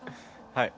はい。